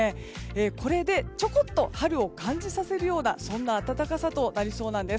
これで、ちょこっと春を感じさせるようなそんな暖かさとなりそうなんです。